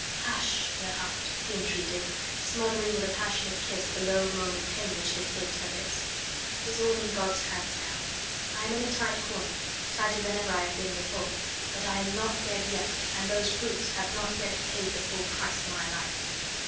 Hush sh sh, dear heart," he entreated, smothering with a passionate kiss the low moan of pain which had escaped her lips; "it is all in God's hands now; I am in a tight corner tighter than ever I have been before; but I am not dead yet, and those brutes have not yet paid the full price for my life.